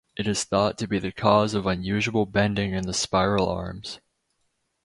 It is thought to be the cause of unusual bending in the spiral arms.